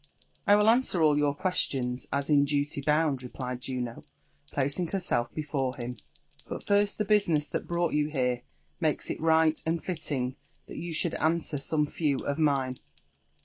:'* I will answer all your qq^stipps, as in duty bound," replied Juno, placiog herself before him ; ''but first the business that brought you here makes it right and fitting that you should answer some few of mioe.